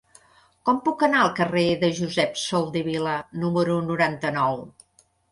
Com puc anar al carrer de Josep Soldevila número noranta-nou?